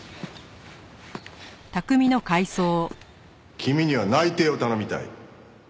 君には内偵を頼みたい。